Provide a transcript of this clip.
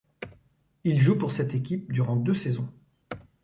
Il joue pour cette équipe durant deux saisons.